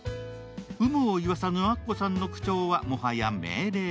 有無を言わさぬアッコさんの口調はもはや命令。